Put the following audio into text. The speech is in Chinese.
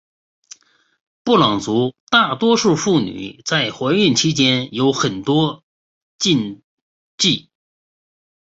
布朗族大多数妇女在怀孕期间有很多禁忌。